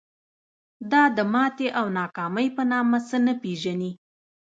دا د ماتې او ناکامۍ په نامه څه نه پېژني.